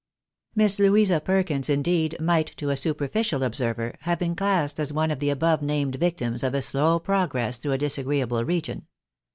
Miss Louisa Perkins, indeed, might, to a superficial observer, have been classed as one of the above named victims of a slow progress through a disagreeable region.